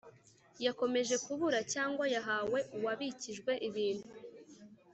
Yakomeje kubura cyangwa yahawe uwabikijwe ibintu